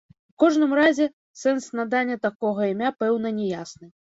У кожным разе, сэнс надання такога імя пэўна не ясны.